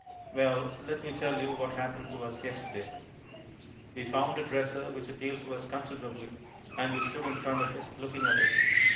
Well, let me tell you what happened to us yesterday. We found a dresser which appealed to us considerably, and we stood in front of it, looking at it.